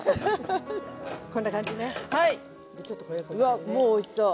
うわっもうおいしそう。